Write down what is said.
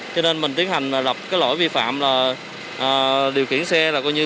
cho nên mình tiến hành lập cái lỗi vi phạm là điều khiển xe là coi như